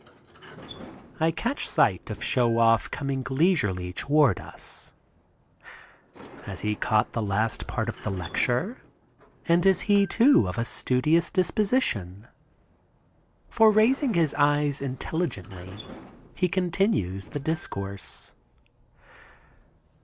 I catch sight of Show Off coming leisurely toward us. Has he caught the last part of the lecture, and is he, too, of a studious disposition. For raising his eyes intelligently, he continues the discourse.